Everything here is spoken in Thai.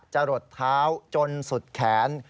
หลดเท้าจนสุดแขน